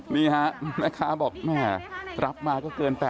แม่ค้าบอกแม่รับมาก็เกิน๘๐ละ